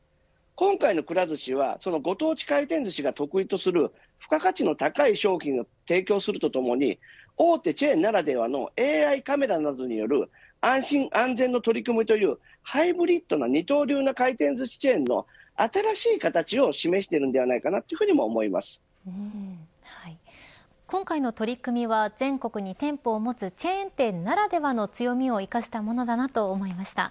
今回のくら寿司はご当地回転ずしが得意とする付加価値の高い商品を提供するとともに大手チェーンならではのＡＩカメラなどによる安心安全の取り組みというハイブリッドの二刀流な回転ずしチェーンの新しい形を示しているのでは今回の取り組みは全国に店舗を持つチェーン店ならではの強みを生かしたものだなと思いました。